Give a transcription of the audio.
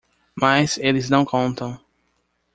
Mas eles não contam.